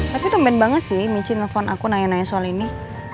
tapi tompen banget sih micin nelfon aku nanya nanya soal ini